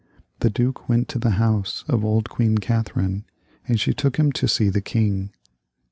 The duke went to the house of old Queen Catherine, and she took him to see the king.